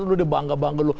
udah dia bangga bangga